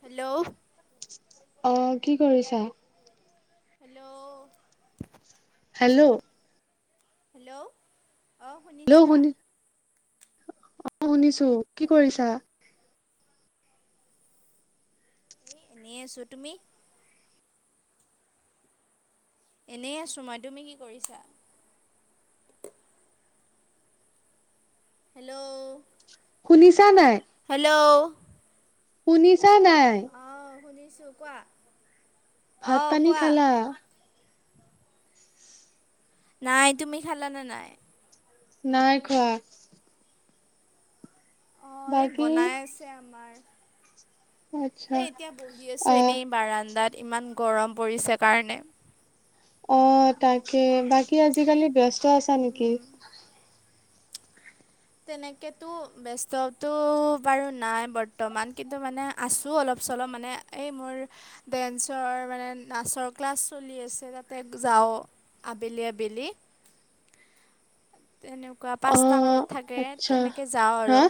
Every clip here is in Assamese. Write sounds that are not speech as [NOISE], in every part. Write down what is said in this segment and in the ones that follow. হেল্ল' অ', কি কৰিছা? হেল্ল' হেল্ল' হেল্লো' হেল্লো, শুনি [UNINTELLIGIBLE] অ শুনিছো। কি কৰিছা? এনেই আছো। তুমি? এনেই আছোঁ মই, তুমি কি কৰিছা? হেল্লো'। শুনিছা নাই? হেল্লো'। শুনিছা নাই? অ' শুনিছোঁ কোৱা। ভাত অঁ পানী কোৱা খালা? নাই, তুমি খালা নে নাই? নাই খোৱা। অঁ, এই বাকী বনাই আছে আমাৰ। আচ্ছা হেই এতিয়া বহি আছো আহ এনেই বাৰাণ্ডাত ইমান গৰম পৰিছে কাৰণে। অ তাকে বাকী আজিকালি ব্যস্ত আছা নেকি? তেনেকেতো ব্যস্তটো বাৰু নাই বৰ্তমান কিন্তু মানে আছোঁ অলপ চলপ মানে - এই মোৰ ডেন্সৰ মানে নাচৰ ক্লাছ চলি আছে, তাতে যাওঁ। আবেলি আবেলি। তেনেকুৱা অ পাঁচটা মানত থাকে, আচ্ছা তেনেকে যাওঁ আৰু। হা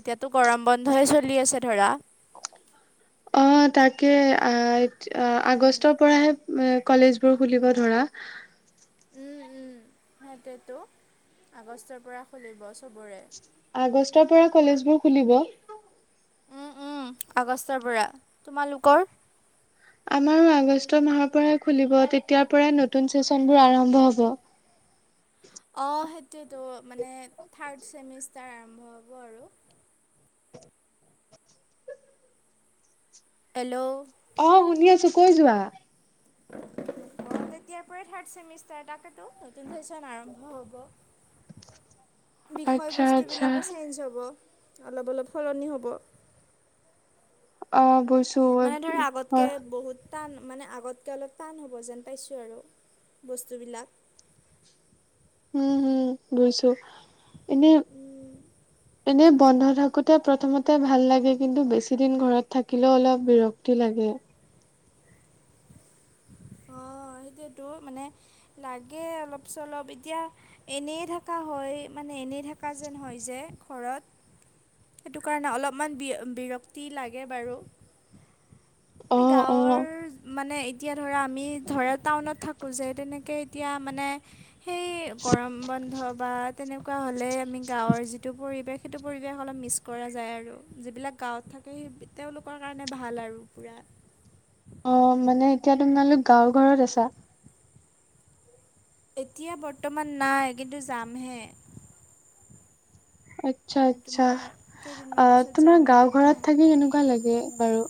এতিয়াতো গৰম বন্ধয়ে চলি আছে ধৰা। অ তাকে আ উম, আগষ্টৰ পৰাহে কলেজবোৰ খুলিব ধৰা। উম উম সেইটোৱে টো আগষ্টৰ পৰা খুলিব চবৰে। আগষ্টৰ পৰা কলেজবোৰ খুলিব। উম, উম, আগষ্টৰ পৰা। তোমালোকৰ? আমাৰো আগষ্ট মাহৰ পৰাই খুলিব, তেতিয়াৰ পৰাই নতুন চেচনবোৰ আৰম্ভ হব। অঁ সেইটোৱেতো মানে থাৰ্ড চেমিষ্টাৰ আৰম্ভ হ'ব আৰু। হেল্লো'। অ শুনি আছো কৈ যোৱা। [INAUDIBLE] তেতিয়াৰ পৰাই থাৰ্ট চেমিষ্টাৰ তাকেতো নতুন চেচন আৰম্ভ হ'ব। [UNINTELLIGIBLE] আচ্ছা। বিষয়বস্তুবিলাকো চেঞ্জ হ'ব। অলপ অলপ সলনি হ'ব। অ বুইছো। মানে ধৰা আগতকে হয় বহুত - টান মানে আগতকে অলপ টান হ'ব যেন পাইছোঁ আৰু বস্তুবিলাক। হু হু বুইছো, এনে এনে বন্ধ থাক- কোতে প্ৰথমতে ভাল লাগে কিন্তু বেছি দিন ঘৰত থাকিলেও অলপ বিৰক্তি লাগে। অ সেইটোৱেতো মানে লাগে অলপ চলপ এতিয়া এনেই থাকা হয় মানে এনেই থকা যেন হয় যে ঘৰত। সেইটো কাৰণে অলপমান বি বিৰক্তি লাগে বাৰু। অ সেই অ গাঁৱৰ মানে এ- তিয়া ধৰা আমি ধৰা টাউনত থাকোঁ যে তেনেকে এতিয়া মানে সেই গৰম বন্ধ বা তেনেকুৱা হ'লে আমি গাঁৱৰ যিটো পৰিৱেশ সেইটো পৰিৱেশ অলপ মিছ কৰা যায় আৰু যিবিলাক গাঁৱত থাকে সি তেওঁলোকৰ কাৰণে ভাল আৰু পূৰা অ মানে এতিয়া তোমালোক গাঁৱৰ ঘৰত আছা এতিয়া বৰ্তমান নাই কিন্তু যামহে আচ্ছা মানে আচ্ছা তোমাৰ কেইদিনমান অ পিছত যাম তোমাৰ আৰু গাঁওৰ অঁ ঘৰত থাকি কেনেকুৱা লাগে বাৰু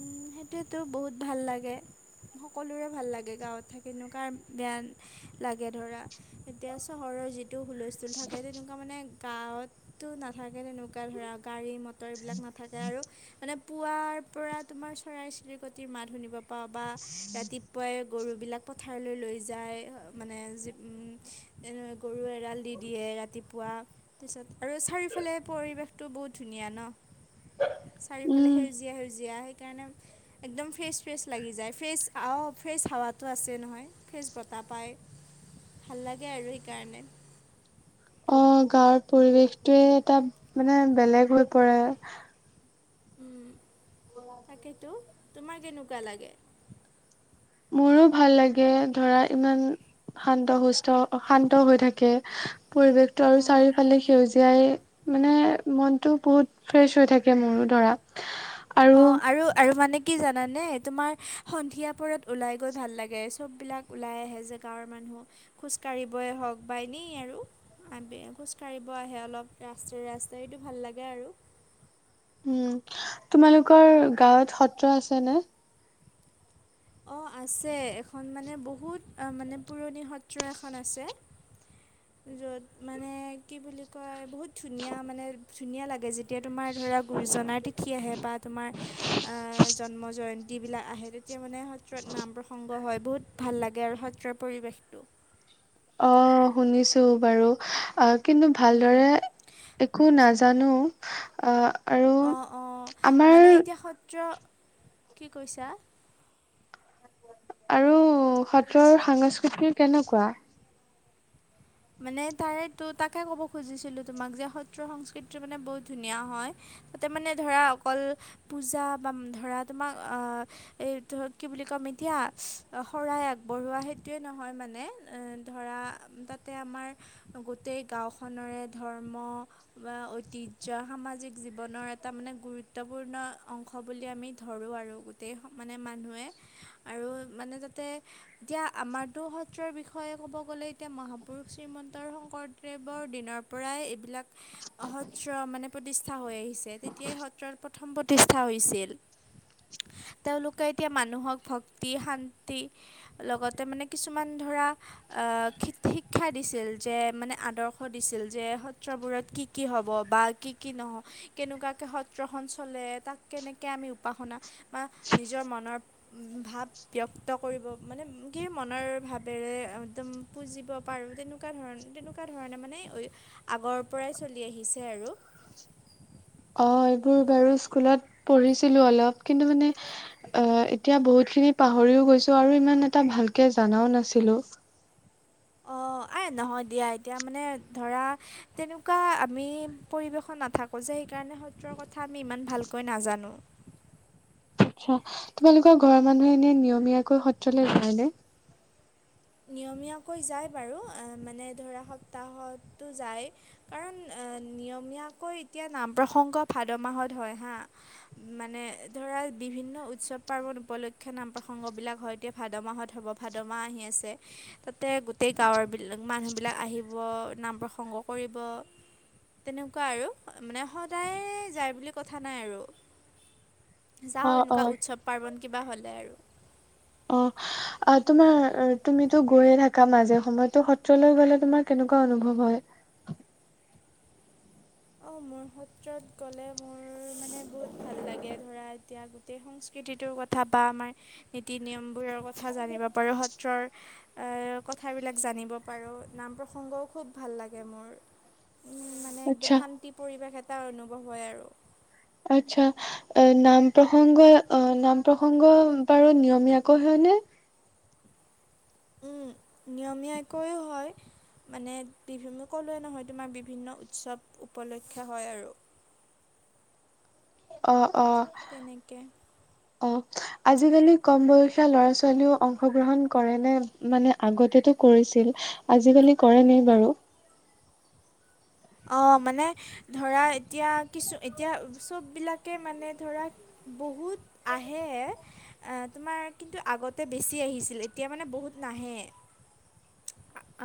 উম সেইটোৱেতো বহুত ভাল লাগে সকলোৰে ভাল লাগে গাঁৱত থাকেনো কাৰ বেয়া লাগে ধৰা এতিয়া চহৰৰ যিটো হুল স্থূল থাকে তেনেকুৱা মানে গাঁৱতো নাথাকে তেনেকুৱা ধৰা গাড়ী মট ৰ এইবিলাক নাথাকে আৰু মানে পুৱাৰ পৰা তোমাৰ চৰাই চিৰিকটিৰ মাত শুনিব পবা ৰাতি পুৱাই গৰুবিলাক পথাৰলৈ লৈ যায় মানে গৰুৱে এৰাল দি দিয়ে ৰাতিপুৱা তাৰপিছত আৰু চাৰিওফালে পৰিৱেশটো বহুত ধুনীয়া ন চাৰিওফালে উম সেউজীয়া সেউজীয়া সেইকাৰণে একদম ফ্ৰেছ ফ্ৰেছ লাগি যায় ফ্ৰেছ আৱ ফ্ৰেছ হাৱাটো আছে নহয় ফ্ৰেজ বতাহ পাই ভাল লাগে আৰু সেইকাৰণে অ গাঁৱৰ পৰিৱেশটোৱে এটা মানে বেলেগ হৈ পৰে উম তাকেতো তোমাক কেনেকুৱা লাগে মোৰো ভাল লাগে ধৰা ইমান শান্ত সুস্থ শান্ত হৈ থাকে পৰিৱেশটো আৰু অঁ চাৰিওফালে সেউজ জীয়াই মানে মনটো বহুত ফ্ৰেছ হৈ থাকে মোৰো ধৰা অ আৰু আৰু মানে কি জানানে তোমাৰ সন্ধিয়াপৰত ওলাই গৈ ভাল লাগে চববিলাক ওলাই আহে যে গাঁৱৰ মানুহ খোজকাঢ়িবই হওক বা এনেই আৰু আবে খোজ কাঢ়িব আহে অলপ ৰাস্তাই ৰাস্তাইতো ভাল লাগে আৰু উম তোমালোকৰ গাঁৱত সত্ৰ আছে নে অ আছে এখন মানে বহুত মানে পুৰণি সত্ৰ এখন আছে য'ত মানে কি বুলি কয় বহুত ধুনীয়া মানে ধুনীয়া লাগে যি এতিয়া তোমাৰ ধৰা গুৰুজনাৰ তিথি আহে বা তোমাৰ জন্ম জয় ন্তী বিলাক আহে তেতিয়া মানে সত্ৰত নাম প্ৰসংগ হয় বহুত ভাল লাগে আৰু সত্ৰৰ পৰিৱেশটো অ শুনিছো বাৰু অ কিন্তু উম, ভালদৰে একো নাজান জানো অ অ অ মানে এতিয়া সত্ৰ কি কৈছা আৰু সত্ৰৰ সাংস্কৃতি কেনেকুৱা মানে তাৰে তো তাকে ক'ব খুজিছিলো তোমাক যে সত্ৰ সংস্কৃতি মানে বহুত ধুনীয়া হয় তাতে মানে ধৰা অকল পূজা বা ধৰা তোমাক আহ এই ধ কি বুলি ক'ম এতিয়া শৰাই আগবঢ়োৱা সেইটোয়ে নহয় মানে এ ধৰা তাতে আমাৰ গোটেই গাঁওখৰে ধৰ্ম বা ঐতিহ্য সামাজিক জীৱনৰ এটা মানে গুৰুত্বপূৰ্ণ অং অংশ বুলি আমি ধৰোঁ আৰু গোটেই মানে মানুহে আৰু মানে যাতে এতিয়া আমাৰ টো সত্ৰৰ বিষয়ে ক'ব গ'লে এতিয়া মহা পুৰুষ শ্ৰীমন্ত শংকৰদেৱৰ দিনৰ পৰাই এইবিলাক সত্ৰ মানে প্ৰতিষ্ঠা হৈ আহিছে তেতিয়াই সত্ৰৰ প্ৰথম প্ৰতিষ্ঠা হৈছিল [UNINTELLIGIBLE] তেওঁলোকে এতিয়া মানুহক ভক্তি শান্তি লগতে মানে কিছুমান ধৰা আহ শি শিক্ষা দিছিল যে মানে আদৰ্শ দিছিল যে সত্ৰবোৰত কি কি হ'ব বা কি কি নহয়। কেনেকুৱাকে সত্ৰখন চলে তাক কেনেকে আমি উপাসনা বা নিজৰ মনৰ ভাৱ ব্যক্ত কৰিব মানে কি মনৰ ভাৱেৰে একদম পুঁজি ব পাৰো, তেনেকুৱা ধৰণ তেনেকুৱা ধৰণে মানে আগৰ পৰাই চলি আহিছে আৰু। অ এইবোৰ বাৰু স্কুলত পঢ়িছিলো অলপ কিন্তু মানে এ এতিয়া বহুত খিনি পাহৰিও গৈছো আৰু ইমান এটা ভালকে জানাও নাছিলো। অঁ এই নহয় দিয়া এতিয়া মানে ধৰা তেনেকুৱা আমি পৰিৱেশত নাথাকো যে, সেইকাৰণে সত্ৰৰ কথা আমি ইমান ভালকৈ নাজানো। আচ্ছা। তোমালোকৰ ঘৰৰ মানুহে এনে নিয়মীয়াকৈ সত্ৰলৈ যায় নে? নিয়মীয়াকৈ যায় বাৰু, মানে ধৰা সপ্তাহতো যায়। কাৰণ নিয়মীয়াকৈ এতিয়া নাম প্ৰসংগ ভাদ মাহত হয় হা। মানে ধৰা বিভিন্ন উৎসৱ পাৰ্বন উপলক্ষে নাম প্ৰসংগ বিলাক হয়। এতিয়া ভাদ মাহত হ'ব, ভাদ মাহ আহি আছে। তাতে গোটেই গাঁৱৰবিলাক মানুহবিলাক আহিব নাম প্ৰসংগ কৰিব। তেনেকুৱা আৰু মানে সদায় যায় বুলি কথা নাই আৰু। অ যাওঁ অ এনেকুৱা উৎসৱ পাৰ্বন কিবা হ'লে আৰু। অহ। আহ তোমাৰ তুমিতো গৈয়ে থাকা মাজে সময়তো সত্ৰলৈ গলে তোমাৰ কেনেকুৱা অনুভৱ হয়? অঁ মোৰ সত্ৰত গ'লে মোৰ মানে বহুত ভাল লাগে ধৰা এতিয়া গোটেই সংস্কৃতিটোৰ কথা বা আমাৰ নীতি নিয়মবোৰৰ কথা জানিব পাৰোঁ সত্ৰৰ আহ কথাবিলাক জানিব পাৰো, নাম প্ৰসংগও খুব ভাল লাগে মোৰ। [INAUDIBLE] মানে একদম শান্তি পৰিৱেশ এটা অনুভৱ হয় আৰু। আচ্ছা। এ নাম প্ৰসংগ অ নাম প্ৰসংগ বাৰু নিয়মীয়াকৈ হয়নে? উম নিয়মীয়াকৈও হয়। মানে বিভি ক'লোৱে নহয় তোমাক, বিভিন্ন উৎসৱ উপলক্ষে হয় আৰু। অহ অহ। তেনেকে। অহ। আজিকালি কম বয়সীয়া ল'ৰা ছোৱালীও অংশগ্ৰহণ কৰে নে? মানে আগতেতো কৰিছিল। আজিকালি কৰে নাই বাৰু? অঁ মানে ধৰা এতিয়া কিছু এতিয়া চব বিলাক কে মানে ধৰা বহুত আহে। আহ তোমাৰ কিন্তু আগতে বেছি আহিছিল এতিয়া মানে বহুত নাহে।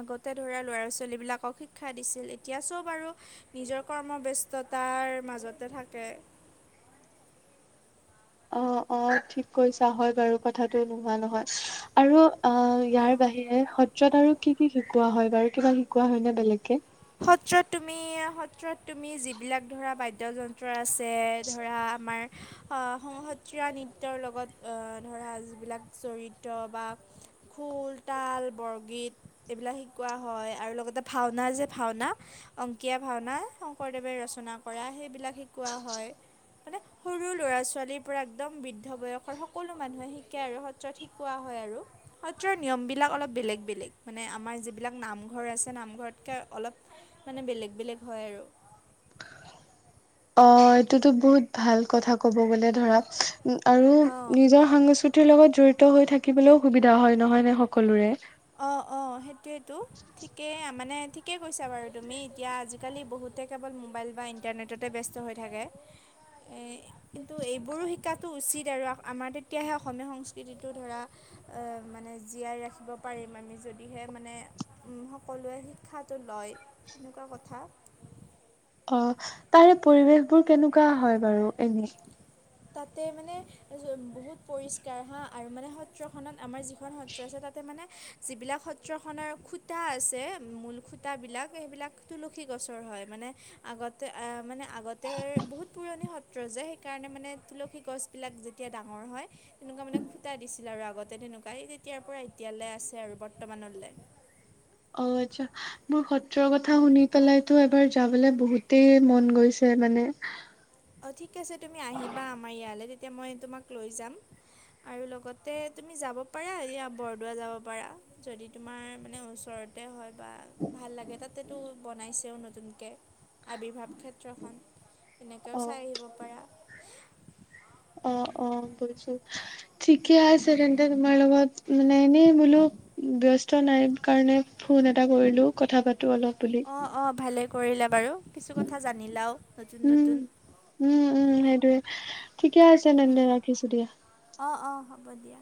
আগতে ধৰা ল'ৰা ছোৱালী বিলাকক শিক্ষা দিছিল এতিয়া চব আৰু নিজৰ কৰ্মৰ ব্যস্ততাৰ মাজতে থাকে। অ অ ঠিক কৈছা হয় বাৰু কথাটো নোহোৱা নহয়। আৰু আ ইয়াৰ বাহিৰে সত্ৰত আৰু কি কি শিকোৱা হয় বাৰু কিবা শিকোৱা হয় নে বেলেগকে? সত্ৰত তুমি সত্ৰত তুমি যিবিলাক ধৰা বাদ্যযন্ত্ৰ আ ছে ধৰা আমাৰ আহ সত্ৰীয়া নৃত্যৰ লগত ধৰা যিবিলাক চৰিত্ৰ বা খুল, তাল, বৰগীত এইবিলাক শিকোৱা হয়। আৰু লগতে ভাওঁনা যে ভাওঁনা অংকীয়া ভাওঁনা শংকৰদেৱে ৰচনা কৰা সেইবিলাক শিকোৱা হয়। হয়নে? সৰু ল'ৰা-ছোৱালীৰ পৰা একদম বৃদ্ধ বয়সৰ সকলো মানুহে শিকে আৰু সত্ৰত শিকোৱা হয় আৰু। সত্ৰৰ নিয়মবিলাক অলপ বেলেগ-বেলেগ মানে আমাৰ যিবিলাক নামঘৰ আছে নামঘৰতকে অলপ মানে বেলেগ-বেলেগ হয় আৰু। অহ, এইটোতো বহুত ভাল কথা ক'ব গ'লে ধৰা উম, আৰু অঁ নিজৰ সাংস্কৃতি লগত জড়িত হৈ থাকিবলৈও সুবিধা হয় নহয়নে সকলোৰে। অ', অ' সেইটোৱেইতো। ঠিকেই মানে ঠিকেই কৈছা বাৰু তুমি এতিয়া আজিকালি বহুতে কেৱল মোবাইল বা ইণ্টাৰনেট ততে ব্যস্ত হৈ থাকে। এই কিন্তু এইবোৰো শিকাটো উচিত আৰু আ-আমাৰ তেতিয়াহে অসমীয়া সংস্কৃতিটো ধৰা অ' মানে জীয়াই ৰাখিব পাৰিম আমি যদিহে মানে সকলোৱে শিক্ষাটো লয় তেনেকুৱা কথা। অহ, তাৰে পৰিৱেশবোৰ কেনেকুৱা হয় বাৰু এনেই। তাতে মানে বহুত পৰিষ্কাৰ হা আৰু মানে সত্ৰখনত আমাৰ যিখন সত্ৰ আছে তাতে মানে যিবিলাক সত্ৰখনৰ খূতা আছে মূল খূতাবিলাক সেইবিলাক তুলসী গছৰ হয় মানে আগতে এ মানে, আগতে বহুত পুৰণি সত্ৰ যে সেইকাৰণে মানে তুলসী গছবিলাক যেতিয়া ডাঙৰ হয়। তেনেকুৱা মানে খূটা দিছিল আৰু আগতে তেনেকুৱা, তেতিয়াৰ পৰা এতিয়ালৈ আছে আৰু বৰ্তমানলে। অহ, আচ্ছা। মোৰ সত্ৰৰ কথা শুনি পেলাইতো এবাৰ যাবলে বহুতেই মন গৈছে মানে। অহ, ঠিক আছে তুমি আহিবা আমাৰ ইয়ালে তেতিয়া মই তোমাক লৈ যাম। আৰু লগতে তুমি যাব পাৰা এয়া বৰদোৱা যাব পাৰা। যদি তোমাৰ মানে ওচৰতে হয় বা ভাল লাগে তাতেতো বনাইছেও নতুনকে। আৱিৰ্ভাৱ ক্ষেত্ৰখন। তেতিয়াও অ চাই আহিব পাৰা। অহ, গৈছোঁ। ঠিকে আছে তেন্তে তোমাৰ লগত মানে এনেই বোলো ব্যস্ত নাই কাৰণে ফোন এটা কৰিলোঁ কথা পাতোঁ অলপ। বুলি অ', অ' ভালে কৰিলা বাৰু, কিছু কথা জানিলাও নতুন উম নতুন। উম', উম' সেইটোৱে। ঠিকে আছে তেন্তে ৰাখিছোঁ দিয়া। অহ', অহ' হ'ব দিয়া।